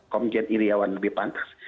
komjen iryawan lebih pantas